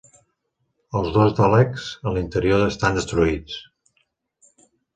Els dos Daleks a l'interior estan destruïts.